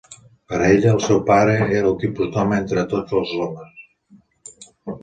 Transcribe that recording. Per a ella, el seu pare era el tipus d'home entre tots els homes.